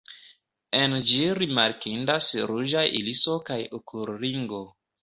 En ĝi rimarkindas ruĝaj iriso kaj okulringo.